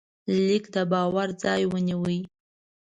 لیک د باور ځای ونیو.